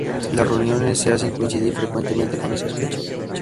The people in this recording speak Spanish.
Las reuniones se hacen coincidir frecuentemente con esas fechas.